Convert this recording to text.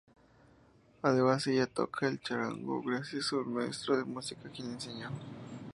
Además ella toca el charango, gracias a un maestro de música quien le enseñó.